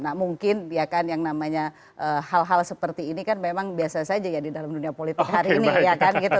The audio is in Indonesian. nah mungkin ya kan yang namanya hal hal seperti ini kan memang biasa saja ya di dalam dunia politik hari ini ya kan gitu